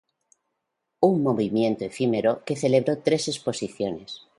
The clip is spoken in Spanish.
Un movimiento efímero que celebró tres exposiciones.